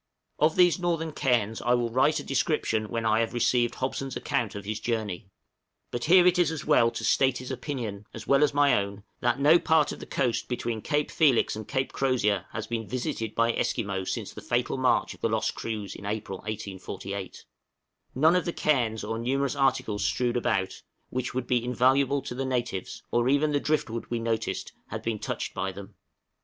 } Of these northern cairns I will write a description when I have received Hobson's account of his journey; but here it is as well to state his opinion, as well as my own, that no part of the coast between Cape Felix and Cape Crozier has been visited by Esquimaux since the fatal march of the lost crews in April, 1848; none of the cairns or numerous articles strewed about which would be invaluable to the natives or even the driftwood we noticed, had been touched by them.